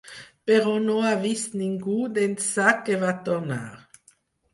Però no ha vist ningú d'ençà que va tornar.